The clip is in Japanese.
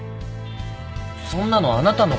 そんなのあなたのことが。